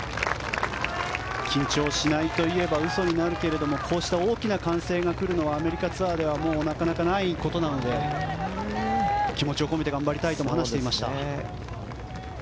緊張しないと言えば嘘になるけどもこうした大きな歓声が来るのはアメリカツアーではなかなかないことなので気持ちを込めて頑張りたいとも話していました。